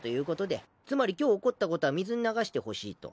つまり今日起こったことは水に流してほしいと。